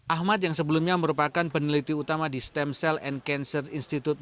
ahmad yang sebelumnya merupakan peneliti utama di stem cell and cancer institute